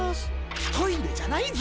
トイレじゃないぞ！